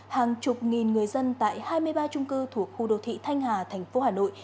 hàng chục nghìn người dân tại hai mươi ba trung cư thuộc khu đô thị thanh hà thành phố hà nội